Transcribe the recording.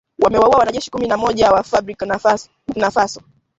wamewaua wanajeshi kumi na moja wa Burkina Faso